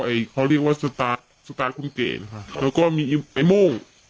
เขาเรียกว่าสตาร์ซุตาคุมเก๋นะคะแล้วก็มีไอ้โม่ง